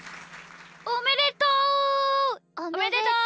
おめでとう！